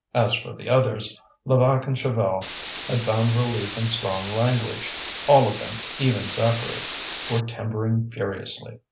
As for the others, Levaque and Chaval had found relief in strong language. All of them, even Zacharie, were timbering furiously.